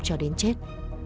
cho đến chết